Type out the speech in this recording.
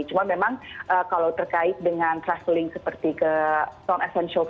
cuma memang kalau terkait dengan travelling seperti ke